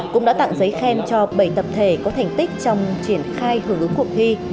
cũng đã tặng giấy khen cho bảy tập thể có thành tích trong triển khai hưởng ứng cuộc thi